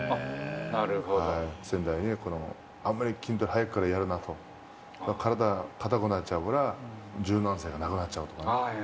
先代にあまり筋トレ早くからやるなと、体硬くなっちゃうから、柔軟性がなくなっちゃうから。